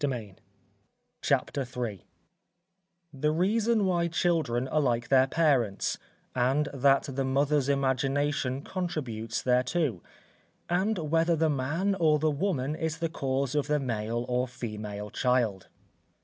CHAPTER III _The reason why children are like their parents; and that the Mother's imagination contributes thereto; and whether the man or the woman is the cause of the male or female child.